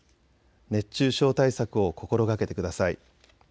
熱中症対策を心がけてください。